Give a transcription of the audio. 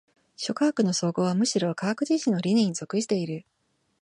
諸科学の綜合はむしろ科学自身の理念に属している。